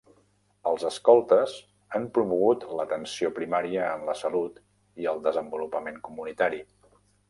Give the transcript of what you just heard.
Els escoltes han promogut l'atenció primària en la salut i el desenvolupament comunitari.